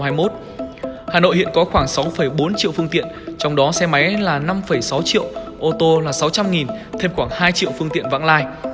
hà nội hiện có khoảng sáu bốn triệu phương tiện trong đó xe máy là năm sáu triệu ô tô là sáu trăm linh thêm khoảng hai triệu phương tiện vãng lai